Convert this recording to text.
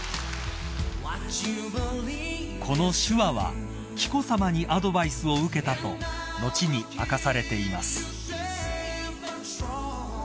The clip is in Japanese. ［この手話は紀子さまにアドバイスを受けたと後に明かされています］